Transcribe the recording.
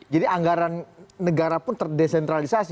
anggaran negara pun terdesentralisasi